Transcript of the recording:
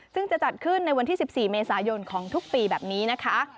ซึ่งจะจัดขึ้นในวันที่๑๔เมษายนของทุกปีแบบนี้นะคะ